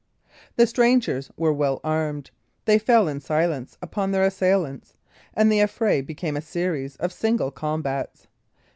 The strangers were well armed; they fell in silence upon their assailants; and the affray became a series of single combats.